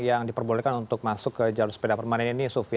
yang diperbolehkan untuk masuk ke jalur sepeda permanen ini